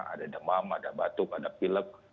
ada demam ada batuk ada pilek